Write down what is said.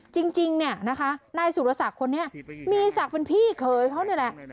จริงเนี่ยนะคะนายสุรศักดิ์คนนี้มีศักดิ์เป็นพี่เขยเขานี่แหละ